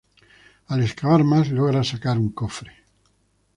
Al excavar más, logra sacar un cofre.